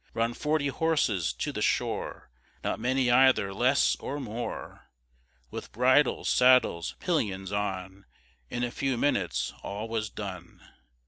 Run forty horses to the shore, Not many either less or more; With bridles, saddles, pillions on; In a few minutes all was done.